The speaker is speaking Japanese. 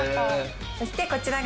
そして。